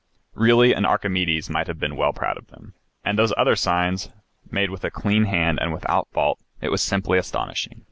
Really an Archimedes might have been well proud of them. And those other signs, made with a clean hand and without fault, it was simply astonishing.